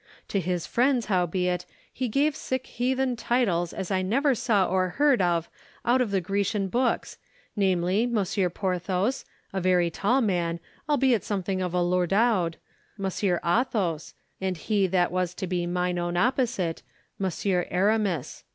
To his friends, howbeit, he gave sic heathen titles as I never saw or heard of out of the Grecian books: namely, Monsieur Porthos, a very tall man, albeit something of a lourdaud; Monsieur Athos; and he that was to be mine own opposite, Monsieur Aramis.